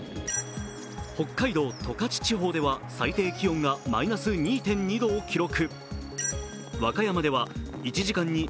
北海道十勝地方では、最低気温がマイナス２．２度を記録。